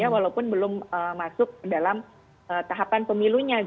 walaupun belum masuk dalam tahapan pemilunya